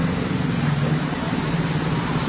สวัสดีครับสวัสดีครับ